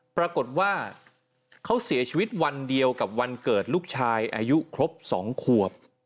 ปรากฏว่าเขาเสียชีวิตวันเดียวกับวันเกิดลูกชายอายุครบ๒ขวบ